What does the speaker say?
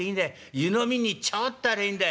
湯飲みにちょっとありゃいいんだ。